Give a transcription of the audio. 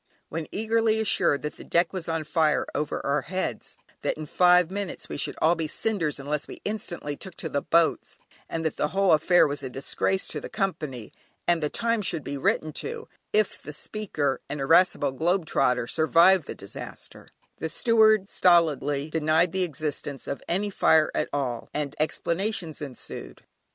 When eagerly assured that the deck was on fire over our heads, that in five minutes we should all be cinders unless we instantly took to the boats, and that the whole affair was a disgrace to the Company, and the "Times" should be written to if the speaker (an irascible "Globe trotter") survived the disaster, the steward stolidly denied the existence of any fire at all and explanations ensued.